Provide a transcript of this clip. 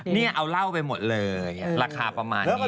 นี่เอาเหล้าไปหมดเลยราคาประมาณนี้